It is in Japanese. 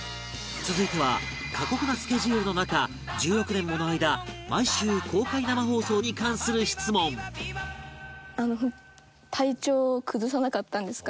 続いては過酷なスケジュールの中１６年もの間毎週公開生放送に関する質問体調を崩さなかったんですか？